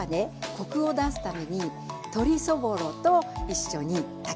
コクを出すために鶏そぼろと一緒に炊き込みました。